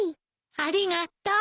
ありがとう。